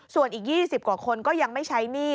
ส่วนอีก๒๐กว่าคนก็ยังไม่ใช้หนี้